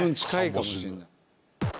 かもしれない。